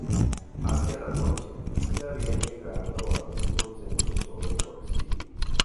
Hacia la noche, se había llegado a un consenso sobre Corsini.